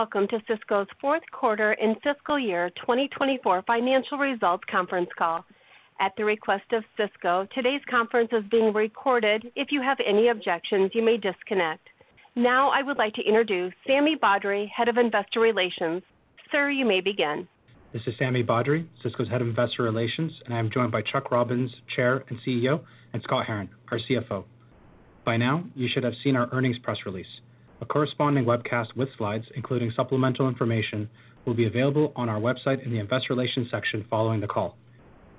Welcome to Cisco's Fourth Quarter and Fiscal Year 2024 Financial Results Conference Call. At the request of Cisco, today's conference is being recorded. If you have any objections, you may disconnect. Now I would like to introduce Sami Badri, Head of Investor Relations. Sir, you may begin. This is Sami Badri, Cisco's Head of Investor Relations, and I'm joined by Chuck Robbins, Chair and CEO, and Scott Herren, our CFO. By now, you should have seen our earnings press release. A corresponding webcast with slides, including supplemental information, will be available on our website in the Investor Relations section following the call.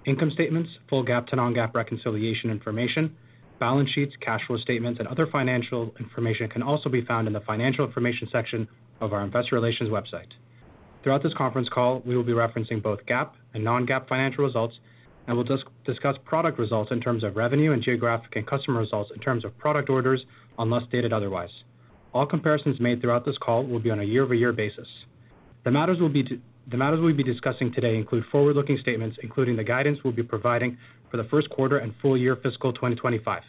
Income statements, full GAAP to non-GAAP reconciliation information, balance sheets, cash flow statements, and other financial information can also be found in the Financial Information section of our Investor Relations website. Throughout this conference call, we will be referencing both GAAP and non-GAAP financial results, and we'll discuss product results in terms of revenue and geographic and customer results in terms of product orders, unless stated otherwise. All comparisons made throughout this call will be on a year-over-year basis. The matters will be to... The matters we'll be discussing today include forward-looking statements, including the guidance we'll be providing for the first quarter and full year fiscal 2025.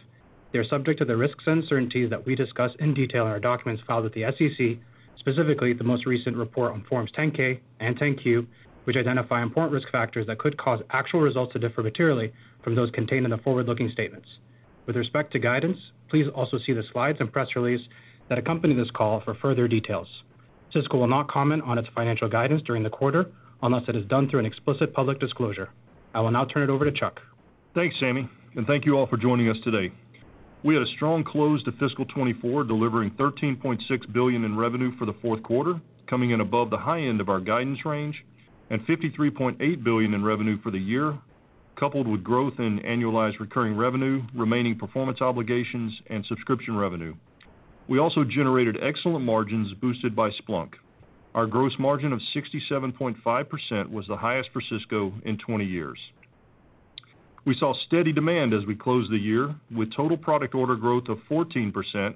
They are subject to the risks and uncertainties that we discuss in detail in our documents filed with the SEC, specifically the most recent report on Form 10-K and 10-Q, which identify important risk factors that could cause actual results to differ materially from those contained in the forward-looking statements. With respect to guidance, please also see the slides and press release that accompany this call for further details. Cisco will not comment on its financial guidance during the quarter, unless it is done through an explicit public disclosure. I will now turn it over to Chuck. Thanks, Sami, and thank you all for joining us today. We had a strong close to fiscal 2024, delivering $13.6 billion in revenue for the fourth quarter, coming in above the high end of our guidance range, and $53.8 billion in revenue for the year, coupled with growth in annualized recurring revenue, remaining performance obligations, and subscription revenue. We also generated excellent margins, boosted by Splunk. Our gross margin of 67.5% was the highest for Cisco in 20 years. We saw steady demand as we closed the year, with total product order growth of 14%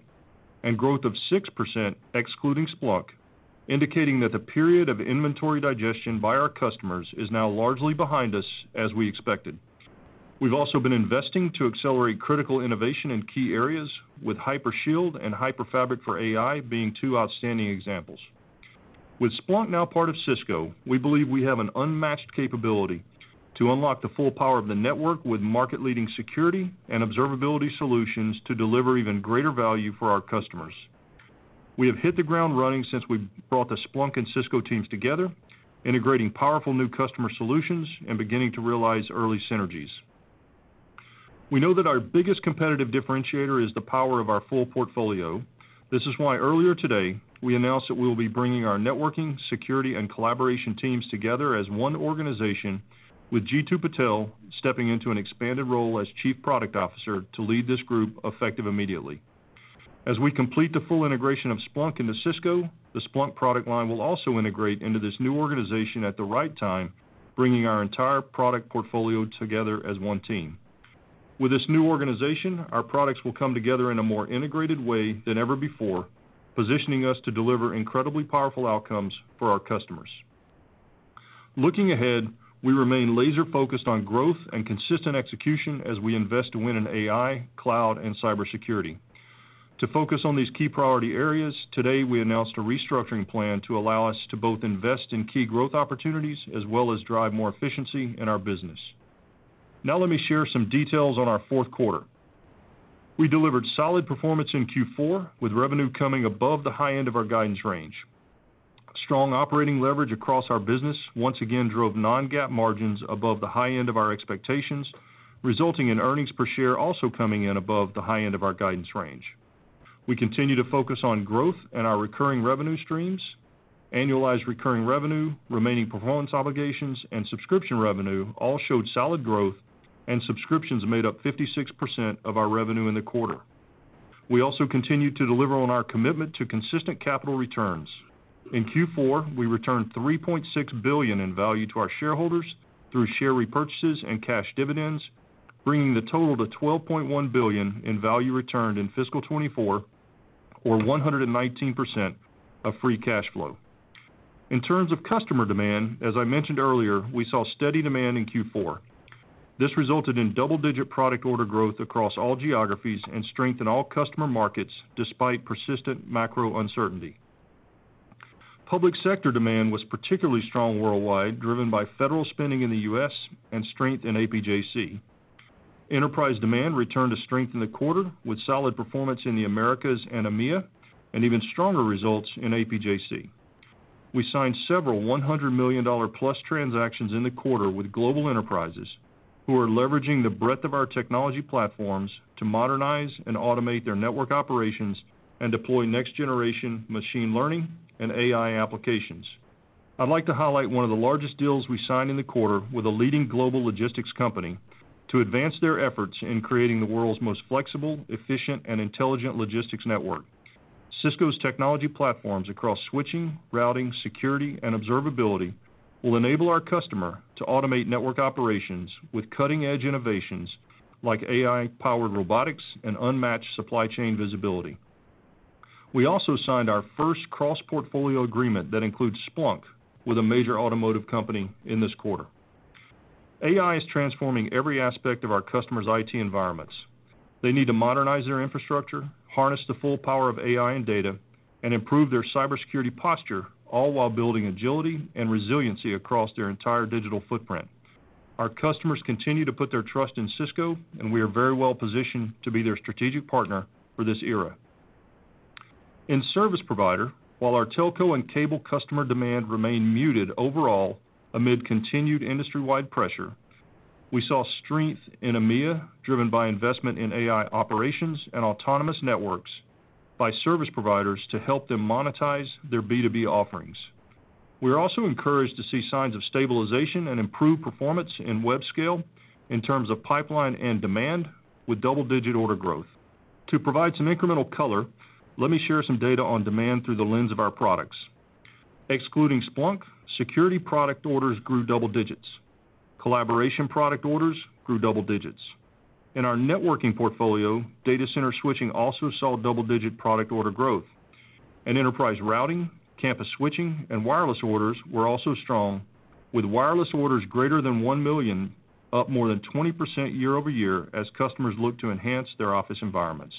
and growth of 6%, excluding Splunk, indicating that the period of inventory digestion by our customers is now largely behind us, as we expected. We've also been investing to accelerate critical innovation in key areas, with Hypershield and HyperFabric for AI being two outstanding examples. With Splunk now part of Cisco, we believe we have an unmatched capability to unlock the full power of the network with market-leading security and observability solutions to deliver even greater value for our customers. We have hit the ground running since we've brought the Splunk and Cisco teams together, integrating powerful new customer solutions and beginning to realize early synergies. We know that our biggest competitive differentiator is the power of our full portfolio. This is why earlier today, we announced that we will be bringing our networking, security, and collaboration teams together as one organization, with Jeetu Patel stepping into an expanded role as Chief Product Officer to lead this group, effective immediately. As we complete the full integration of Splunk into Cisco, the Splunk product line will also integrate into this new organization at the right time, bringing our entire product portfolio together as one team. With this new organization, our products will come together in a more integrated way than ever before, positioning us to deliver incredibly powerful outcomes for our customers. Looking ahead, we remain laser-focused on growth and consistent execution as we invest to win in AI, cloud, and cybersecurity. To focus on these key priority areas, today, we announced a restructuring plan to allow us to both invest in key growth opportunities as well as drive more efficiency in our business. Now let me share some details on our fourth quarter. We delivered solid performance in Q4, with revenue coming above the high end of our guidance range. Strong operating leverage across our business once again drove non-GAAP margins above the high end of our expectations, resulting in earnings per share also coming in above the high end of our guidance range. We continue to focus on growth and our recurring revenue streams, annualized recurring revenue, remaining performance obligations, and subscription revenue all showed solid growth, and subscriptions made up 56% of our revenue in the quarter. We also continued to deliver on our commitment to consistent capital returns. In Q4, we returned $3.6 billion in value to our shareholders through share repurchases and cash dividends, bringing the total to $12.1 billion in value returned in fiscal 2024, or 119% of free cash flow. In terms of customer demand, as I mentioned earlier, we saw steady demand in Q4. This resulted in double-digit product order growth across all geographies and strength in all customer markets, despite persistent macro uncertainty. Public sector demand was particularly strong worldwide, driven by federal spending in the U.S. and strength in APJC. Enterprise demand returned to strength in the quarter, with solid performance in the Americas and EMEA, and even stronger results in APJC. We signed several $100 million-plus transactions in the quarter with global enterprises, who are leveraging the breadth of our technology platforms to modernize and automate their network operations and deploy next-generation machine learning and AI applications. I'd like to highlight one of the largest deals we signed in the quarter with a leading global logistics company to advance their efforts in creating the world's most flexible, efficient, and intelligent logistics network. Cisco's technology platforms across switching, routing, security, and observability will enable our customer to automate network operations with cutting-edge innovations like AI-powered robotics and unmatched supply chain visibility. We also signed our first cross-portfolio agreement that includes Splunk with a major automotive company in this quarter.... AI is transforming every aspect of our customers' IT environments. They need to modernize their infrastructure, harness the full power of AI and data, and improve their cybersecurity posture, all while building agility and resiliency across their entire digital footprint. Our customers continue to put their trust in Cisco, and we are very well positioned to be their strategic partner for this era. In service provider, while our telco and cable customer demand remain muted overall, amid continued industry-wide pressure, we saw strength in EMEA, driven by investment in AI operations and autonomous networks by service providers to help them monetize their B2B offerings. We are also encouraged to see signs of stabilization and improved performance in Webscale in terms of pipeline and demand, with double-digit order growth. To provide some incremental color, let me share some data on demand through the lens of our products. Excluding Splunk, security product orders grew double digits. Collaboration product orders grew double digits. In our networking portfolio, data center switching also saw double-digit product order growth. Enterprise routing, campus switching, and wireless orders were also strong, with wireless orders greater than 1 million, up more than 20% year-over-year, as customers look to enhance their office environments.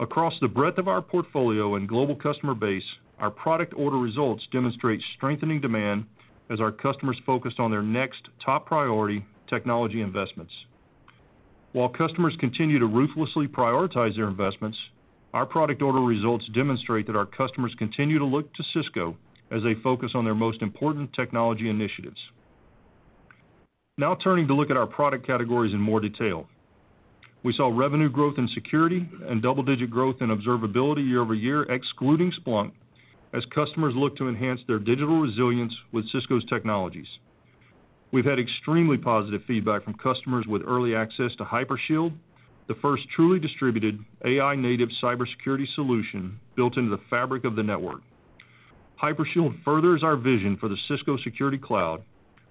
Across the breadth of our portfolio and global customer base, our product order results demonstrate strengthening demand as our customers focused on their next top priority, technology investments. While customers continue to ruthlessly prioritize their investments, our product order results demonstrate that our customers continue to look to Cisco as they focus on their most important technology initiatives. Now, turning to look at our product categories in more detail. We saw revenue growth in security and double-digit growth in observability year-over-year, excluding Splunk, as customers look to enhance their digital resilience with Cisco's technologies. We've had extremely positive feedback from customers with early access to Hypershield, the first truly distributed AI-native cybersecurity solution built into the fabric of the network. Hypershield furthers our vision for the Cisco Security Cloud,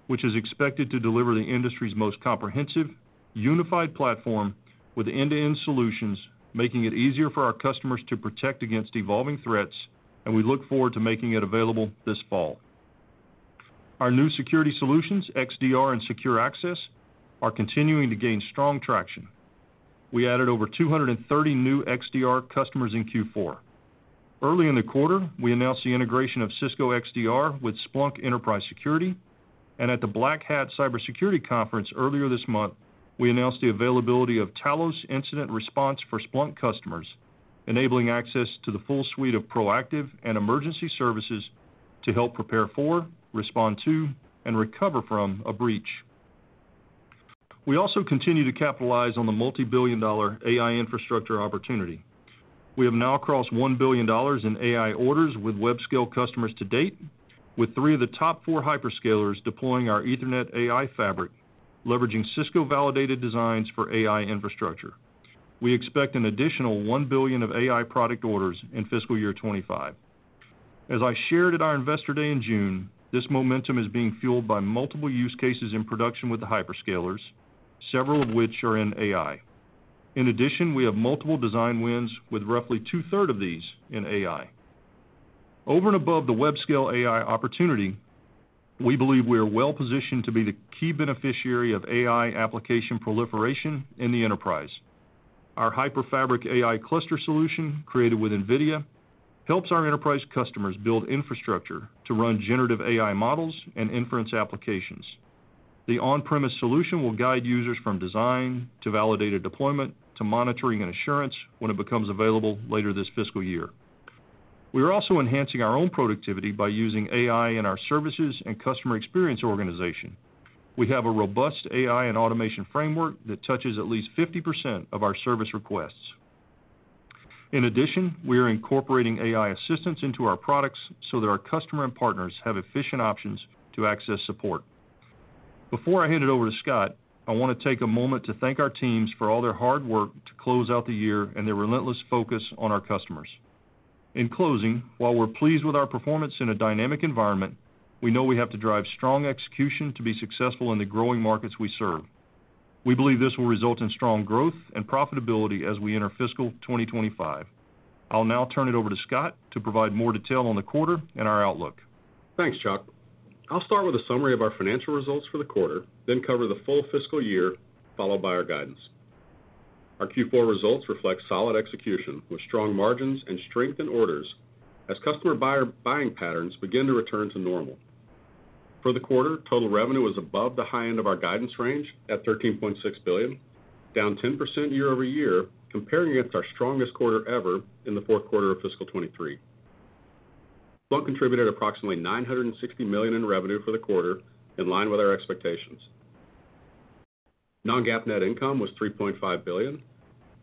which is expected to deliver the industry's most comprehensive, unified platform with end-to-end solutions, making it easier for our customers to protect against evolving threats, and we look forward to making it available this fall. Our new security solutions, XDR and Secure Access, are continuing to gain strong traction. We added over 230 new XDR customers in Q4. Early in the quarter, we announced the integration of Cisco XDR with Splunk Enterprise Security, and at the Black Hat Cybersecurity Conference earlier this month, we announced the availability of Talos Incident Response for Splunk customers, enabling access to the full suite of proactive and emergency services to help prepare for, respond to, and recover from a breach. We also continue to capitalize on the multibillion-dollar AI infrastructure opportunity. We have now crossed $1 billion in AI orders with web scale customers to date, with 3 of the top 4 hyperscalers deploying our Ethernet AI fabric, leveraging Cisco Validated Designs for AI infrastructure. We expect an additional $1 billion of AI product orders in fiscal year 2025. As I shared at our Investor Day in June, this momentum is being fueled by multiple use cases in production with the hyperscalers, several of which are in AI. In addition, we have multiple design wins, with roughly 2/3 of these in AI. Over and above the web-scale AI opportunity, we believe we are well positioned to be the key beneficiary of AI application proliferation in the enterprise. Our HyperFabric AI cluster solution, created with NVIDIA, helps our enterprise customers build infrastructure to run generative AI models and inference applications. The on-premises solution will guide users from design to validated deployment, to monitoring and assurance when it becomes available later this fiscal year. We are also enhancing our own productivity by using AI in our services and customer experience organization. We have a robust AI and automation framework that touches at least 50% of our service requests. In addition, we are incorporating AI assistance into our products so that our customer and partners have efficient options to access support. Before I hand it over to Scott, I want to take a moment to thank our teams for all their hard work to close out the year and their relentless focus on our customers. In closing, while we're pleased with our performance in a dynamic environment, we know we have to drive strong execution to be successful in the growing markets we serve. We believe this will result in strong growth and profitability as we enter fiscal 2025. I'll now turn it over to Scott to provide more detail on the quarter and our outlook. Thanks, Chuck. I'll start with a summary of our financial results for the quarter, then cover the full fiscal year, followed by our guidance. Our Q4 results reflect solid execution, with strong margins and strength in orders, as customer buying patterns begin to return to normal. For the quarter, total revenue was above the high end of our guidance range at $13.6 billion, down 10% year-over-year, comparing against our strongest quarter ever in the fourth quarter of fiscal 2023. Splunk contributed approximately $960 million in revenue for the quarter, in line with our expectations. Non-GAAP net income was $3.5 billion.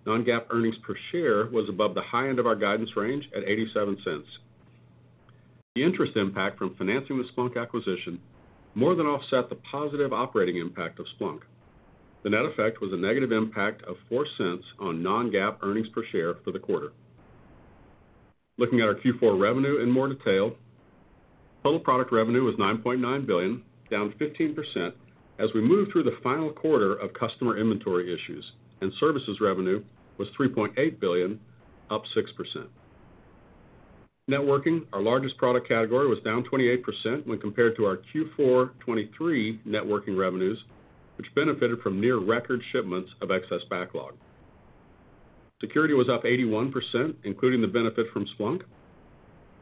Non-GAAP earnings per share was above the high end of our guidance range at $0.87. The interest impact from financing the Splunk acquisition more than offset the positive operating impact of Splunk. The net effect was a negative impact of $0.04 on Non-GAAP earnings per share for the quarter. Looking at our Q4 revenue in more detail, total product revenue was $9.9 billion, down 15%, as we moved through the final quarter of customer inventory issues, and services revenue was $3.8 billion, up 6%. Networking, our largest product category, was down 28% when compared to our Q4 2023 networking revenues, which benefited from near record shipments of excess backlog. Security was up 81%, including the benefit from Splunk.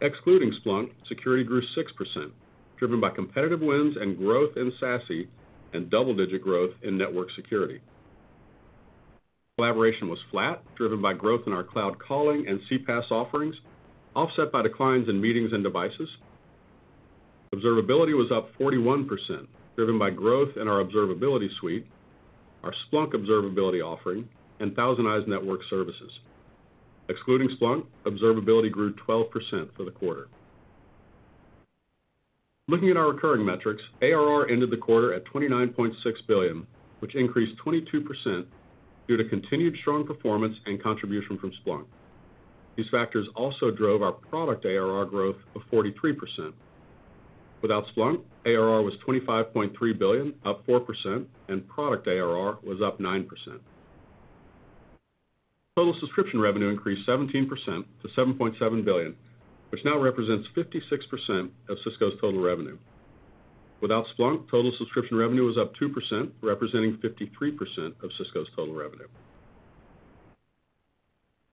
Excluding Splunk, security grew 6%, driven by competitive wins and growth in SASE and double-digit growth in network security. Collaboration was flat, driven by growth in our cloud calling and CPaaS offerings, offset by declines in meetings and devices. Observability was up 41%, driven by growth in our observability suite, our Splunk observability offering, and ThousandEyes network services. Excluding Splunk, observability grew 12% for the quarter. Looking at our recurring metrics, ARR ended the quarter at $29.6 billion, which increased 22% due to continued strong performance and contribution from Splunk. These factors also drove our product ARR growth of 43%. Without Splunk, ARR was $25.3 billion, up 4%, and product ARR was up 9%. Total subscription revenue increased 17% to $7.7 billion, which now represents 56% of Cisco's total revenue. Without Splunk, total subscription revenue was up 2%, representing 53% of Cisco's total revenue.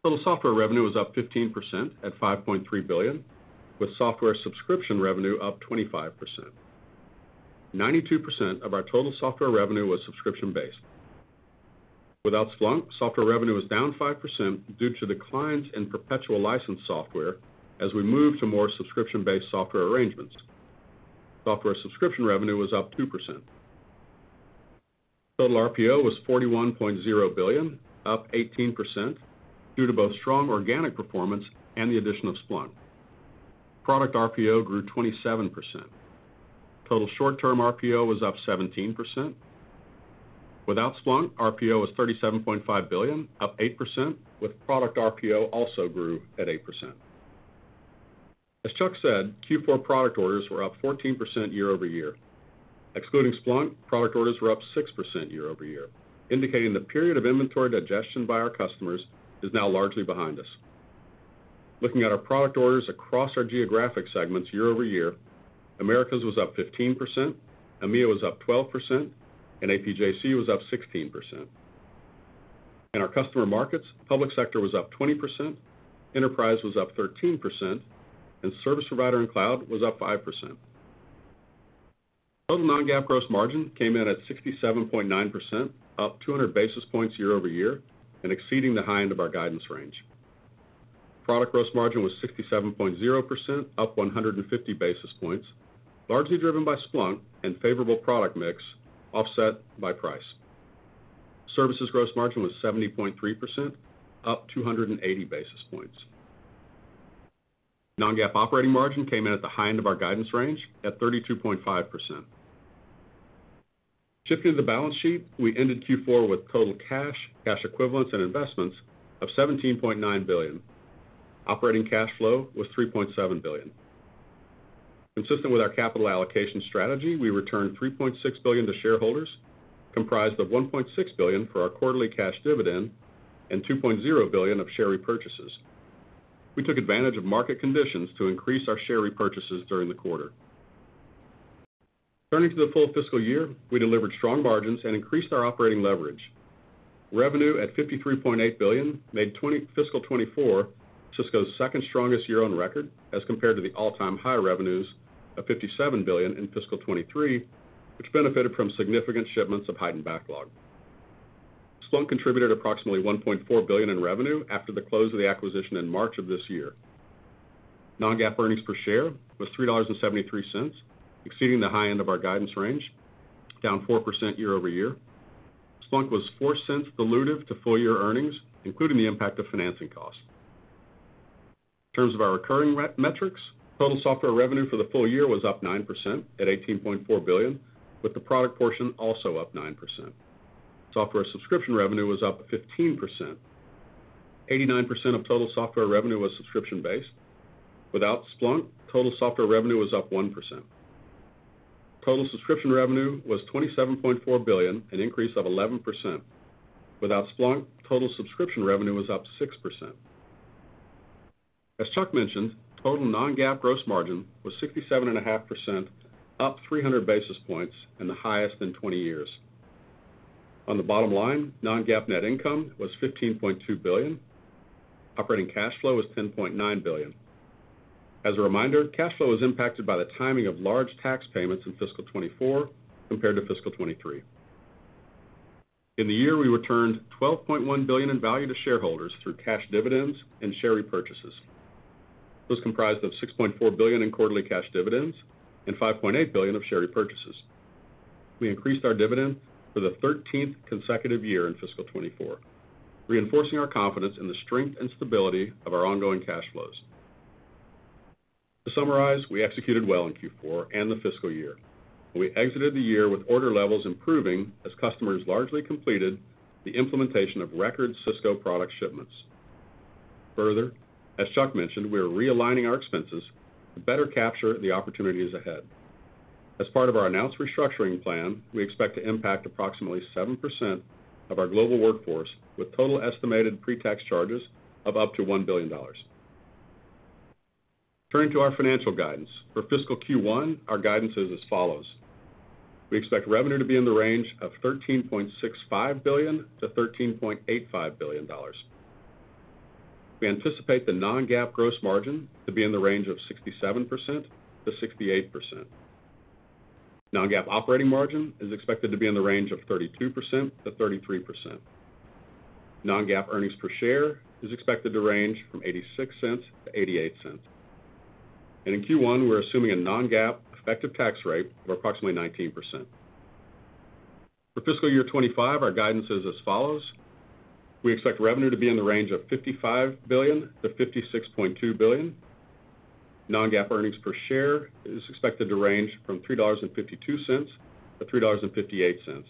Total software revenue was up 15% at $5.3 billion, with software subscription revenue up 25%. 92% of our total software revenue was subscription-based. Without Splunk, software revenue was down 5% due to declines in perpetual license software as we move to more subscription-based software arrangements. Software subscription revenue was up 2%. Total RPO was $41.0 billion, up 18%, due to both strong organic performance and the addition of Splunk. Product RPO grew 27%. Total short-term RPO was up 17%. Without Splunk, RPO was $37.5 billion, up 8%, with product RPO also grew at 8%. As Chuck said, Q4 product orders were up 14% year-over-year. Excluding Splunk, product orders were up 6% year-over-year, indicating the period of inventory digestion by our customers is now largely behind us. Looking at our product orders across our geographic segments year-over-year, Americas was up 15%, EMEA was up 12%, and APJC was up 16%. In our customer markets, Public Sector was up 20%, Enterprise was up 13%, and Service Provider and Cloud was up 5%. Total non-GAAP gross margin came in at 67.9%, up 200 basis points year-over-year and exceeding the high end of our guidance range. Product gross margin was 67.0%, up 150 basis points, largely driven by Splunk and favorable product mix, offset by price. Services gross margin was 70.3%, up 280 basis points. Non-GAAP operating margin came in at the high end of our guidance range at 32.5%. Shifting to the balance sheet, we ended Q4 with total cash, cash equivalents, and investments of $17.9 billion. Operating cash flow was $3.7 billion. Consistent with our capital allocation strategy, we returned $3.6 billion to shareholders, comprised of $1.6 billion for our quarterly cash dividend and $2.0 billion of share repurchases. We took advantage of market conditions to increase our share repurchases during the quarter. Turning to the full fiscal year, we delivered strong margins and increased our operating leverage. Revenue at $53.8 billion made fiscal 2024 Cisco's second strongest year on record, as compared to the all-time high revenues of $57 billion in fiscal 2023, which benefited from significant shipments of heightened backlog. Splunk contributed approximately $1.4 billion in revenue after the close of the acquisition in March of this year. Non-GAAP earnings per share was $3.73, exceeding the high end of our guidance range, down 4% year-over-year. Splunk was $0.04 dilutive to full-year earnings, including the impact of financing costs. In terms of our recurring revenue metrics, total software revenue for the full year was up 9% at $18.4 billion, with the product portion also up 9%. Software subscription revenue was up 15%. 89% of total software revenue was subscription-based. Without Splunk, total software revenue was up 1%. Total subscription revenue was $27.4 billion, an increase of 11%. Without Splunk, total subscription revenue was up 6%. As Chuck mentioned, total non-GAAP gross margin was 67.5%, up 300 basis points and the highest in 20 years. On the bottom line, non-GAAP net income was $15.2 billion. Operating cash flow was $10.9 billion. As a reminder, cash flow was impacted by the timing of large tax payments in fiscal 2024 compared to fiscal 2023. In the year, we returned $12.1 billion in value to shareholders through cash dividends and share repurchases. It was comprised of $6.4 billion in quarterly cash dividends and $5.8 billion of share repurchases. We increased our dividend for the 13th consecutive year in fiscal 2024, reinforcing our confidence in the strength and stability of our ongoing cash flows. To summarize, we executed well in Q4 and the fiscal year. We exited the year with order levels improving as customers largely completed the implementation of record Cisco product shipments. Further, as Chuck mentioned, we are realigning our expenses to better capture the opportunities ahead. As part of our announced restructuring plan, we expect to impact approximately 7% of our global workforce, with total estimated pre-tax charges of up to $1 billion. Turning to our financial guidance. For fiscal Q1, our guidance is as follows: We expect revenue to be in the range of $13.65 billion-$13.85 billion. We anticipate the non-GAAP gross margin to be in the range of 67%-68%. Non-GAAP operating margin is expected to be in the range of 32%-33%. Non-GAAP earnings per share is expected to range from $0.86 to $0.88. And in Q1, we're assuming a non-GAAP effective tax rate of approximately 19%. For fiscal year 2025, our guidance is as follows: We expect revenue to be in the range of $55 billion-$56.2 billion. Non-GAAP earnings per share is expected to range from $3.52-$3.58,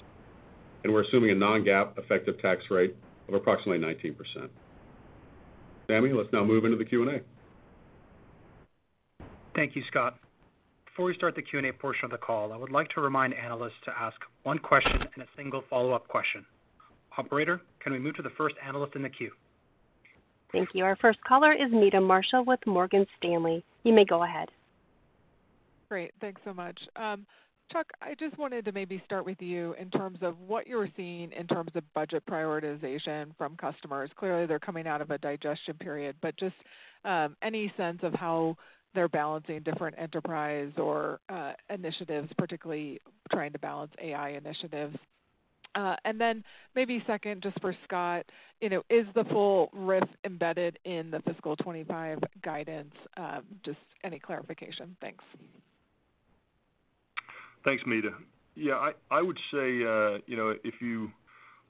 and we're assuming a non-GAAP effective tax rate of approximately 19%. Sami, let's now move into the Q&A. Thank you, Scott. Before we start the Q&A portion of the call, I would like to remind analysts to ask one question and a single follow-up question. Operator, can we move to the first analyst in the queue? Thank you. Our first caller is Meta Marshall with Morgan Stanley. You may go ahead. Great. Thanks so much. Chuck, I just wanted to maybe start with you in terms of what you're seeing in terms of budget prioritization from customers. Clearly, they're coming out of a digestion period, but just, any sense of how they're balancing different enterprise or initiatives, particularly trying to balance AI initiatives? And then maybe second, just for Scott, you know, is the full risk embedded in the fiscal 2025 guidance? Just any clarification? Thanks. Thanks, Meta. Yeah, I would say, you know, if you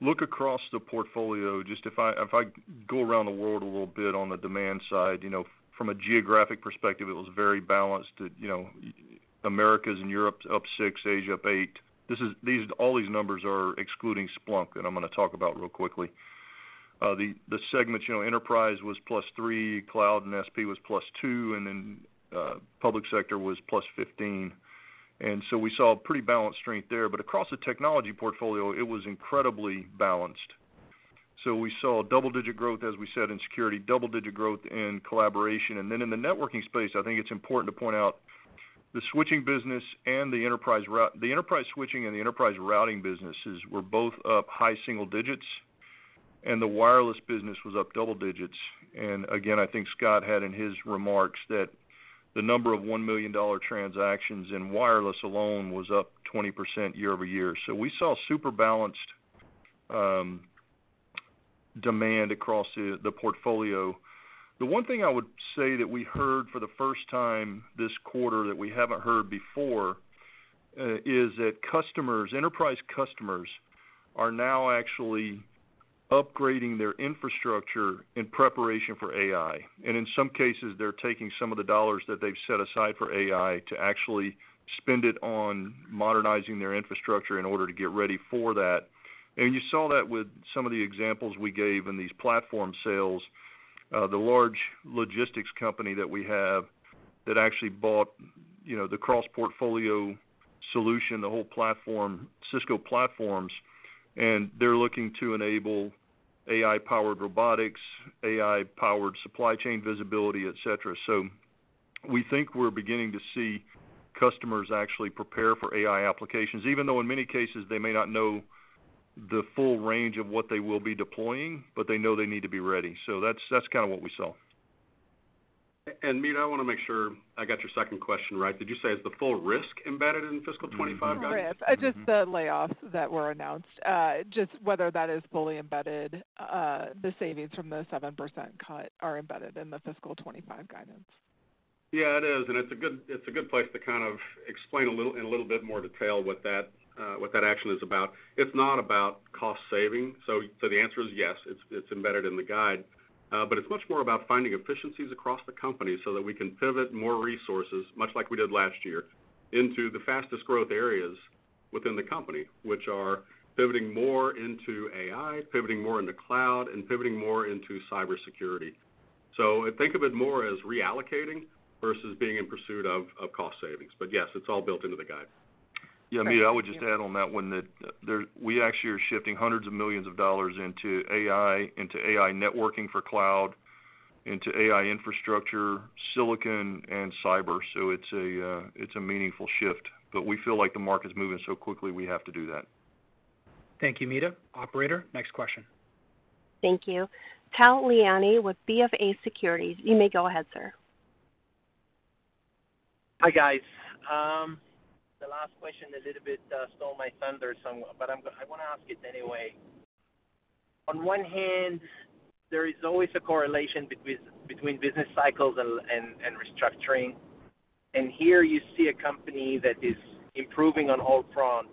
look across the portfolio, just if I go around the world a little bit on the demand side, you know, from a geographic perspective, it was very balanced. You know, Americas and Europe's up 6, Asia up 8. These, all these numbers are excluding Splunk, and I'm gonna talk about real quickly. The segments, you know, Enterprise was +3, Cloud and SP was +2, and then Public Sector was +15. And so we saw a pretty balanced strength there. But across the technology portfolio, it was incredibly balanced. So we saw double-digit growth, as we said, in security, double-digit growth in collaboration. In the networking space, I think it's important to point out the switching business and the enterprise switching and the enterprise routing businesses were both up high single digits, and the wireless business was up double digits. Again, I think Scott had in his remarks that the number of $1 million transactions in wireless alone was up 20% year-over-year. We saw super balanced demand across the portfolio. The one thing I would say that we heard for the first time this quarter that we haven't heard before is that customers, enterprise customers, are now actually upgrading their infrastructure in preparation for AI. In some cases, they're taking some of the dollars that they've set aside for AI to actually spend it on modernizing their infrastructure in order to get ready for that. You saw that with some of the examples we gave in these platform sales. The large logistics company that we have that actually bought, you know, the cross-portfolio solution, the whole platform, Cisco platforms, and they're looking to enable AI-powered robotics, AI-powered supply chain visibility, et cetera. We think we're beginning to see customers actually prepare for AI applications, even though in many cases they may not know the full range of what they will be deploying, but they know they need to be ready. That's, that's kind of what we saw. Meta, I wanna make sure I got your second question right. Did you say, is the full risk embedded in fiscal 2025 guidance? Risk. Just the layoffs that were announced, just whether that is fully embedded, the savings from the 7% cut are embedded in the fiscal 2025 guidance. Yeah, it is, and it's a good, it's a good place to kind of explain a little, in a little bit more detail what that, what that action is about. It's not about cost saving. So, so the answer is yes, it's, it's embedded in the guide. But it's much more about finding efficiencies across the company so that we can pivot more resources, much like we did last year, into the fastest growth areas within the company, which are pivoting more into AI, pivoting more into cloud, and pivoting more into cybersecurity. So think of it more as reallocating versus being in pursuit of, of cost savings. But yes, it's all built into the guide. Yeah, Meta, I would just add on that one, that we actually are shifting hundreds of millions of dollars into AI, into AI networking for cloud, into AI infrastructure, silicon, and cyber. So it's a, it's a meaningful shift, but we feel like the market's moving so quickly, we have to do that. Thank you, Meta. Operator, next question. Thank you. Tal Liani with BofA Securities. You may go ahead, sir. Hi, guys. The last question a little bit stole my thunder some, but I'm gonna ask it anyway. On one hand, there is always a correlation between business cycles and restructuring. And here you see a company that is improving on all fronts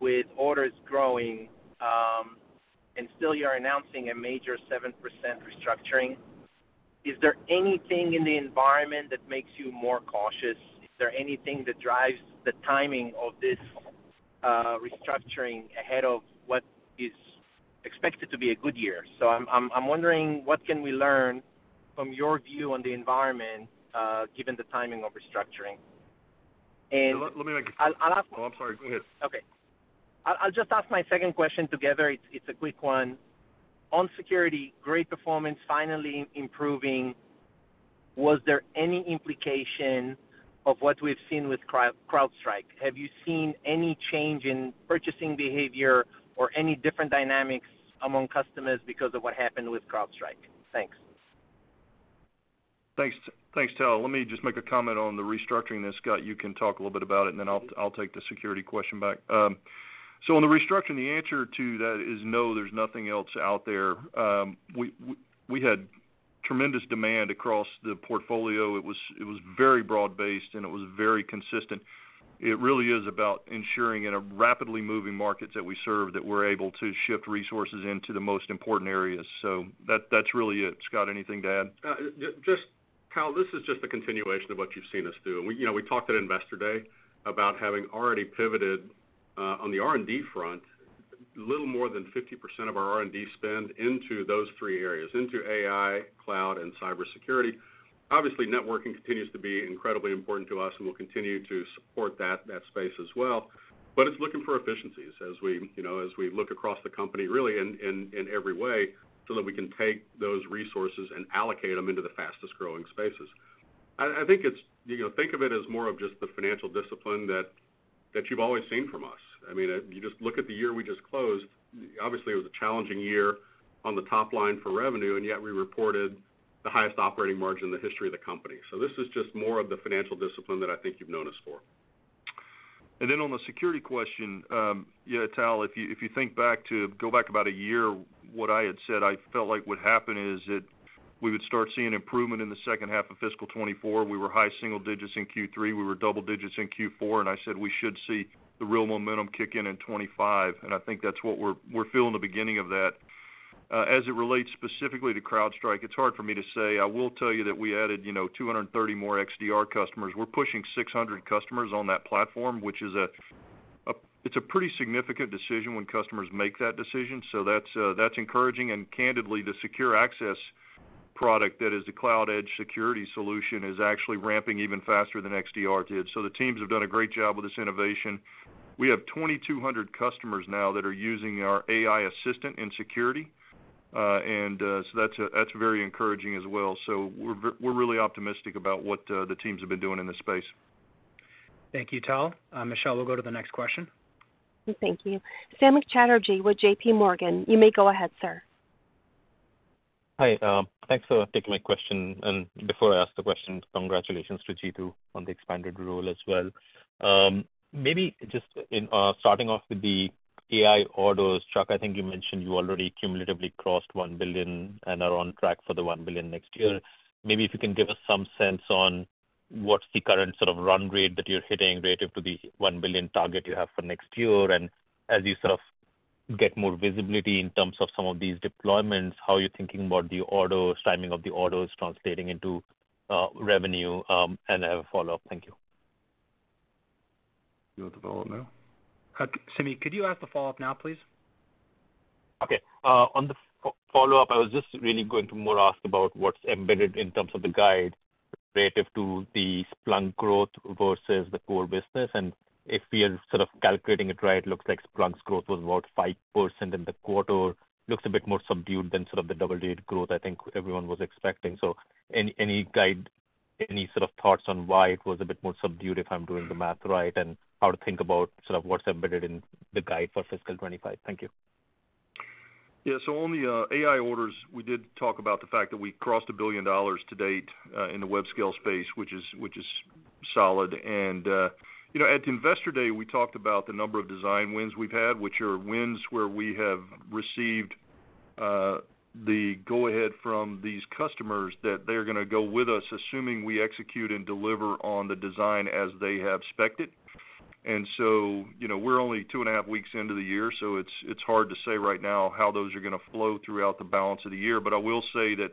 with orders growing, and still you're announcing a major 7% restructuring. Is there anything in the environment that makes you more cautious? Is there anything that drives the timing of this restructuring ahead of what is expected to be a good year? So I'm wondering what can we learn from your view on the environment, given the timing of restructuring? And let me make- I'll ask- Oh, I'm sorry. Go ahead. Okay. I'll just ask my second question together. It's a quick one. On security, great performance, finally improving. Was there any implication of what we've seen with CrowdStrike? Have you seen any change in purchasing behavior or any different dynamics among customers because of what happened with CrowdStrike? Thanks. Thanks, thanks, Tal. Let me just make a comment on the restructuring, then Scott, you can talk a little bit about it, and then I'll take the security question back. So on the restructuring, the answer to that is no, there's nothing else out there. We had tremendous demand across the portfolio. It was very broad-based, and it was very consistent. It really is about ensuring in a rapidly moving market that we serve, that we're able to shift resources into the most important areas. So that's really it. Scott, anything to add? Just, Tal, this is just a continuation of what you've seen us do. And we, you know, we talked at Investor Day about having already pivoted, on the R&D front, little more than 50% of our R&D spend into those three areas, into AI, cloud, and cybersecurity. Obviously, networking continues to be incredibly important to us, and we'll continue to support that space as well. But it's looking for efficiencies as we, you know, as we look across the company really in every way, so that we can take those resources and allocate them into the fastest-growing spaces. I think it's... You know, think of it as more of just the financial discipline that you've always seen from us. I mean, you just look at the year we just closed, obviously, it was a challenging year on the top line for revenue, and yet we reported the highest operating margin in the history of the company. So this is just more of the financial discipline that I think you've known us for. And then on the security question, yeah, Tal, if you, if you think back to go back about a year, what I had said, I felt like what happened is that we would start seeing improvement in the second half of fiscal 2024. We were high single digits in Q3, we were double digits in Q4, and I said we should see the real momentum kick in in 2025, and I think that's what we're we're feeling the beginning of that. As it relates specifically to CrowdStrike, it's hard for me to say. I will tell you that we added, you know, 230 more XDR customers. We're pushing 600 customers on that platform, which is a, a it's a pretty significant decision when customers make that decision, so that's that's encouraging. Candidly, the secure access product that is the cloud edge security solution is actually ramping even faster than XDR did. So the teams have done a great job with this innovation. We have 2,200 customers now that are using our AI Assistant in security, and so that's very encouraging as well. So we're really optimistic about what the teams have been doing in this space. Thank you, Tal. Michelle, we'll go to the next question. Thank you. Samik Chatterjee with JPMorgan. You may go ahead, sir. Hi, thanks for taking my question, and before I ask the question, congratulations to Jeetu on the expanded role as well. Maybe just in, starting off with the AI orders, Chuck, I think you mentioned you already cumulatively crossed $1 billion and are on track for the $1 billion next year. Maybe if you can give us some sense on what's the current sort of run rate that you're hitting relative to the $1 billion target you have for next year. And as you sort of get more visibility in terms of some of these deployments, how are you thinking about the orders, timing of the orders translating into, revenue? And I have a follow-up. Thank you. You want the follow-up now? Samik, could you ask the follow-up now, please? Okay. On the follow-up, I was just really going to more ask about what's embedded in terms of the guide relative to the Splunk growth versus the core business. And if we are sort of calculating it right, it looks like Splunk's growth was about 5% in the quarter. Looks a bit more subdued than sort of the double-digit growth I think everyone was expecting. So any guide, any sort of thoughts on why it was a bit more subdued, if I'm doing the math right, and how to think about sort of what's embedded in the guide for fiscal 2025? Thank you. Yeah, so on the AI orders, we did talk about the fact that we crossed $1 billion to date in the web scale space, which is solid. And you know, at Investor Day, we talked about the number of design wins we've had, which are wins where we have received the go-ahead from these customers that they're gonna go with us, assuming we execute and deliver on the design as they have specced it. And so, you know, we're only 2.5 weeks into the year, so it's hard to say right now how those are gonna flow throughout the balance of the year. But I will say that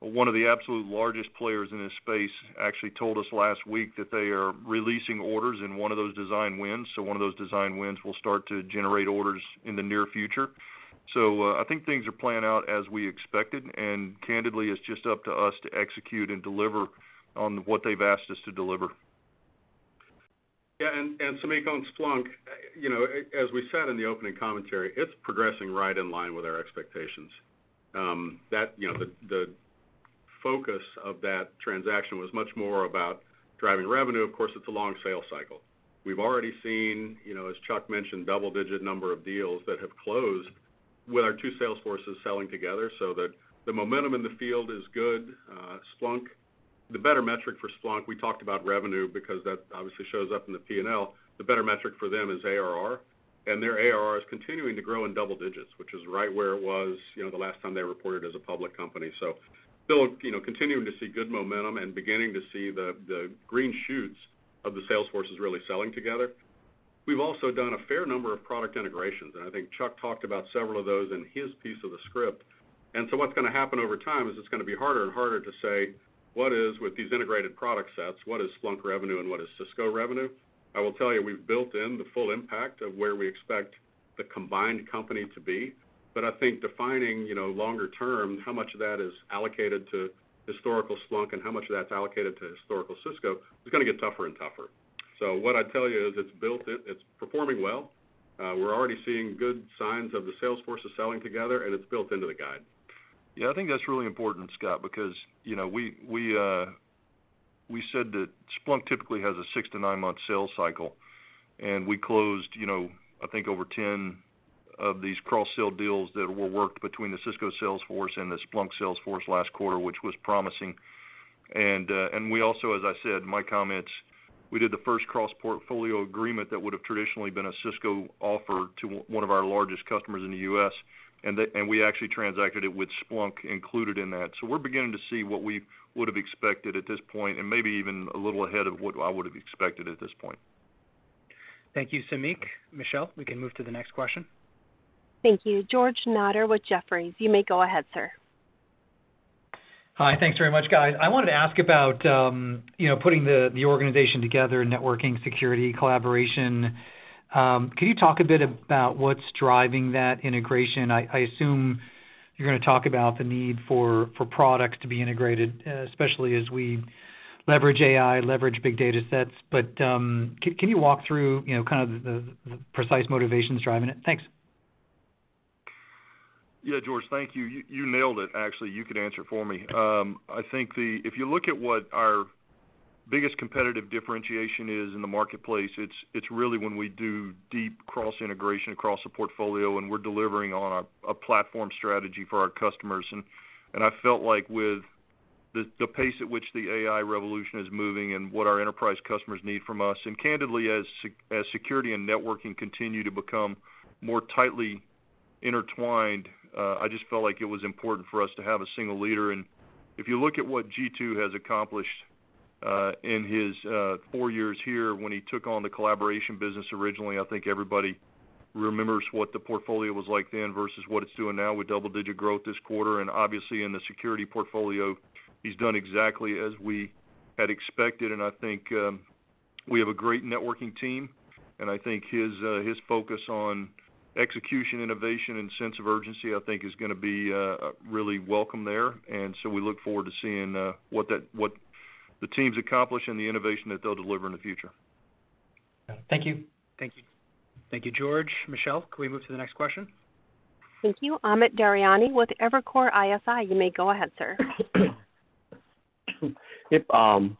one of the absolute largest players in this space actually told us last week that they are releasing orders in one of those design wins, so one of those design wins will start to generate orders in the near future. So, I think things are playing out as we expected, and candidly, it's just up to us to execute and deliver on what they've asked us to deliver. Yeah, and Samik, on Splunk, you know, as we said in the opening commentary, it's progressing right in line with our expectations. That, you know, the focus of that transaction was much more about driving revenue. Of course, it's a long sales cycle. We've already seen, you know, as Chuck mentioned, double-digit number of deals that have closed with our two salesforces selling together, so the momentum in the field is good. Splunk, the better metric for Splunk, we talked about revenue, because that obviously shows up in the P&L. The better metric for them is ARR, and their ARR is continuing to grow in double digits, which is right where it was, you know, the last time they reported as a public company. So still, you know, continuing to see good momentum and beginning to see the green shoots of the salesforces really selling together. We've also done a fair number of product integrations, and I think Chuck talked about several of those in his piece of the script. And so what's gonna happen over time is it's gonna be harder and harder to say, what is with these integrated product sets, what is Splunk revenue and what is Cisco revenue? I will tell you, we've built in the full impact of where we expect the combined company to be, but I think defining, you know, longer term, how much of that is allocated to historical Splunk and how much of that's allocated to historical Cisco, is gonna get tougher and tougher. So what I'd tell you is it's built in, it's performing well. We're already seeing good signs of the sales forces selling together, and it's built into the guide. Yeah, I think that's really important, Scott, because, you know, we said that Splunk typically has a 6 month-9 month sales cycle, and we closed, you know, I think, over 10 of these cross-sale deals that were worked between the Cisco sales force and the Splunk sales force last quarter, which was promising. And we also, as I said in my comments, we did the first cross-portfolio agreement that would have traditionally been a Cisco offer to one of our largest customers in the U.S., and we actually transacted it with Splunk included in that. So we're beginning to see what we would have expected at this point, and maybe even a little ahead of what I would have expected at this point. Thank you, Samik. Michelle, we can move to the next question. Thank you. George Notter with Jefferies. You may go ahead, sir. Hi, thanks very much, guys. I wanted to ask about, you know, putting the organization together, networking, security, collaboration. Can you talk a bit about what's driving that integration? I assume you're gonna talk about the need for products to be integrated, especially as we leverage AI, leverage big data sets. But, can you walk through, you know, kind of the precise motivations driving it? Thanks. Yeah, George, thank you. You, you nailed it. Actually, you could answer for me. I think if you look at what our biggest competitive differentiation is in the marketplace, it's really when we do deep cross-integration across the portfolio, and we're delivering on a platform strategy for our customers. And I felt like with the pace at which the AI revolution is moving and what our enterprise customers need from us, and candidly, as security and networking continue to become more tightly intertwined, I just felt like it was important for us to have a single leader. And if you look at what Jeetu has accomplished in his four years here, when he took on the collaboration business originally, I think everybody remembers what the portfolio was like then versus what it's doing now with double-digit growth this quarter. And obviously, in the security portfolio, he's done exactly as we had expected, and I think we have a great networking team, and I think his focus on execution, innovation, and sense of urgency, I think, is gonna be really welcome there. And so we look forward to seeing what the teams accomplish and the innovation that they'll deliver in the future. Thank you. Thank you. Thank you, George. Michelle, can we move to the next question? Thank you. Amit Daryanani with Evercore ISI. You may go ahead, sir. Yep,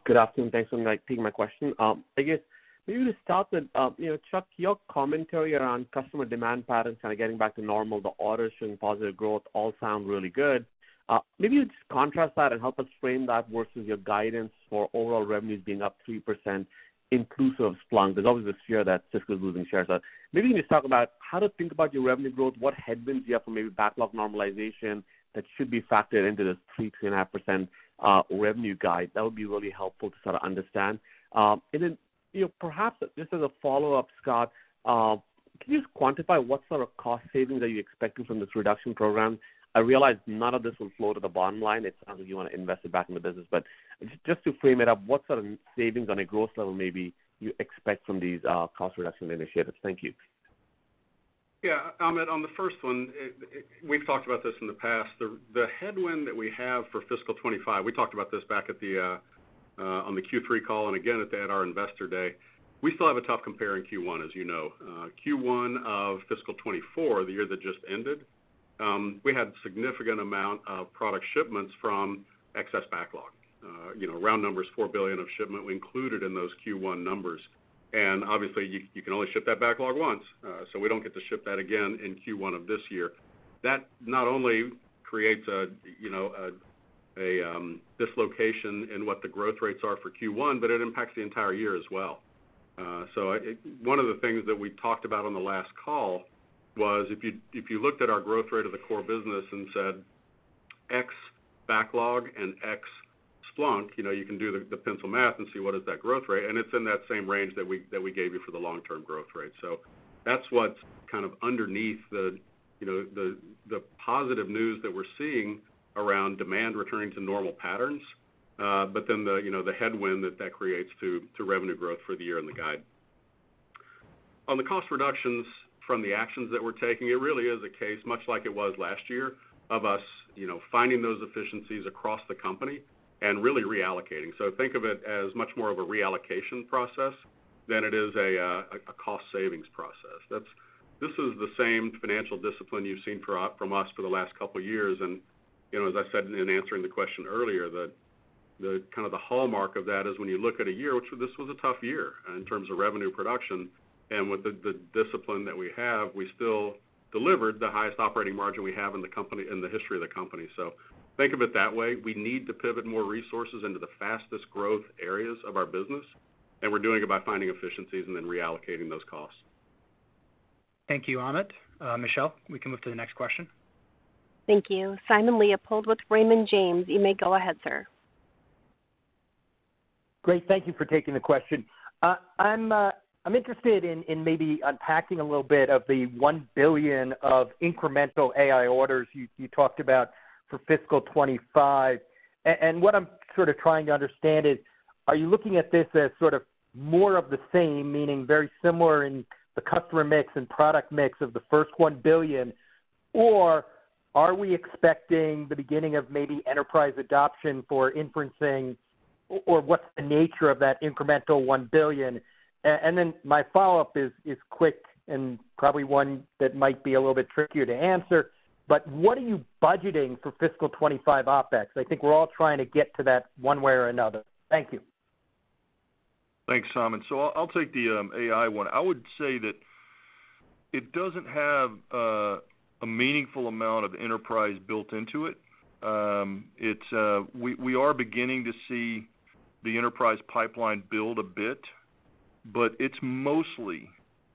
good afternoon. Thanks for, like, taking my question. I guess maybe to start with, you know, Chuck, your commentary around customer demand patterns kind of getting back to normal, the orders showing positive growth all sound really good. Maybe you just contrast that and help us frame that versus your guidance for overall revenues being up 3%, inclusive of Splunk. There's always a fear that Cisco's losing shares. So maybe just talk about how to think about your revenue growth, what headwinds you have for maybe backlog normalization that should be factored into this 3%-3.5%, revenue guide. That would be really helpful to sort of understand. And then, you know, perhaps just as a follow-up, Scott, can you just quantify what sort of cost savings are you expecting from this reduction program? I realize none of this will flow to the bottom line. It sounds like you want to invest it back in the business, but just to frame it up, what sort of savings on a growth level maybe you expect from these, cost reduction initiatives? Thank you. Yeah, Amit, on the first one, we've talked about this in the past. The headwind that we have for fiscal 2025, we talked about this back at the on the Q3 call and again at our Investor Day. We still have a tough compare in Q1, as you know. Q1 of fiscal 2024, the year that just ended, we had a significant amount of product shipments from excess backlog. You know, round numbers, $4 billion of shipment we included in those Q1 numbers. And obviously, you can only ship that backlog once, so we don't get to ship that again in Q1 of this year. That not only creates a you know, dislocation in what the growth rates are for Q1, but it impacts the entire year as well. So, one of the things that we talked about on the last call was if you looked at our growth rate of the core business and said, ex-backlog and ex-Splunk, you know, you can do the pencil math and see what is that growth rate, and it's in that same range that we gave you for the long-term growth rate. So that's what's kind of underneath the, you know, the positive news that we're seeing around demand returning to normal patterns, but then the, you know, the headwind that that creates to revenue growth for the year and the guide. On the cost reductions from the actions that we're taking, it really is a case, much like it was last year, of us, you know, finding those efficiencies across the company and really reallocating. So think of it as much more of a reallocation process than it is a, a cost savings process. That's this is the same financial discipline you've seen from us for the last couple of years. And, you know, as I said in answering the question earlier, that the kind of the hallmark of that is when you look at a year, which this was a tough year in terms of revenue production, and with the, the discipline that we have, we still delivered the highest operating margin we have in the company, in the history of the company. So think of it that way. We need to pivot more resources into the fastest growth areas of our business, and we're doing it by finding efficiencies and then reallocating those costs. Thank you, Amit. Michelle, we can move to the next question. Thank you. Simon Leopold with Raymond James. You may go ahead, sir.... Great. Thank you for taking the question. I'm, I'm interested in maybe unpacking a little bit of the $1 billion of incremental AI orders you talked about for fiscal 2025. And what I'm sort of trying to understand is, are you looking at this as sort of more of the same, meaning very similar in the customer mix and product mix of the first $1 billion? Or are we expecting the beginning of maybe enterprise adoption for inferencing, or what's the nature of that incremental $1 billion? And then my follow-up is quick and probably one that might be a little bit trickier to answer. But what are you budgeting for fiscal 2025 OpEx? I think we're all trying to get to that one way or another. Thank you. Thanks, Simon. So I'll take the AI one. I would say that it doesn't have a meaningful amount of enterprise built into it. It's we are beginning to see the enterprise pipeline build a bit, but it's mostly